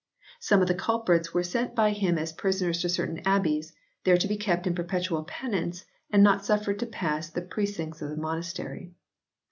Some of the culprits were sent by him as prisoners to certain abbeys, there to be kept in perpetual penance and not suffered to pass the precincts of the monastery.